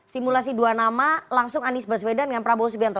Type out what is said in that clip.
simulasi dua nama langsung anies baswedan dengan prabowo subianto